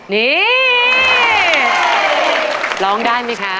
นี่ร้องได้ไหมคะ